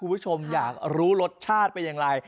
คุณผู้ชมอยากรู้รสชาติเป็นอย่างไร